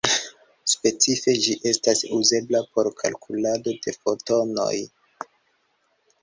Specife, ĝi estas uzebla por kalkulado de fotonoj.